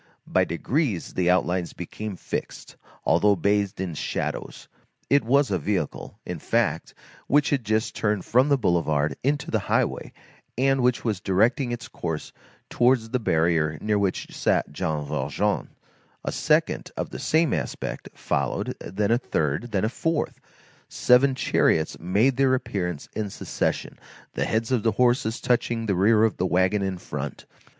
By degrees the outlines became fixed, although bathed in shadows. It was a vehicle, in fact, which had just turned from the boulevard into the highway, and which was directing its course towards the barrier near which sat Jean Valjean; a second, of the same aspect, followed, then a third, then a fourth; seven chariots made their appearance in succession, the heads of the horses touching the rear of the wagon in front.